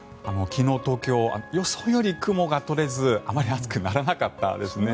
昨日、東京予想より雲が取れずあまり暑くならなかったですね。